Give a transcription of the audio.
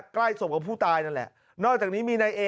ใกล้ศพกับผู้ตายนั่นแหละนอกจากนี้มีนายเอ